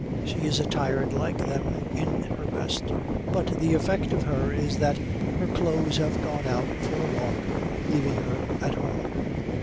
She is attired, like them, in her best, but the effect of her is that her clothes have gone out for a walk, leaving her at home.